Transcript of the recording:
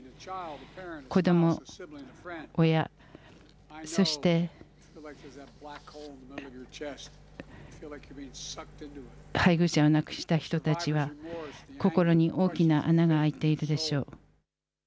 子ども、親そして配偶者を亡くした人たちは心に大きな穴が開いているでしょう。